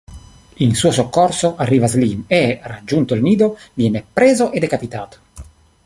In suo soccorso arriva Slim e, raggiunto il nido, viene preso e decapitato.